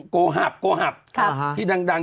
โกหับโกหับที่ดัง